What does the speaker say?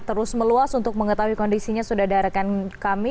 terus meluas untuk mengetahui kondisinya sudah diharakan kami